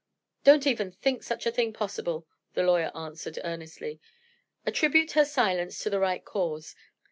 "Don't even think such a thing possible!" the lawyer answered, earnestly. "Attribute her silence to the right cause.